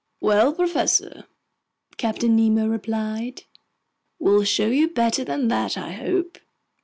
"Well, professor," Captain Nemo replied, "we'll show you better than that, I hope.